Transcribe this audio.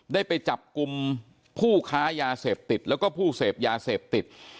ได้ไปจับกลุ่มผู้ค้ายาเสพติดแล้วก็ผู้เสพยาเสพติด